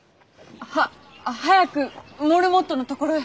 は早くモルモットのところへ。